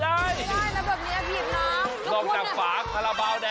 เขียนแบบถูกส่งไม่ได้